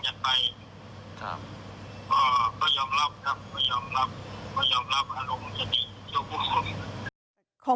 ก็ยอมรับครับยอมรับยอมรับหรวมใจเอาละเหมือนกับ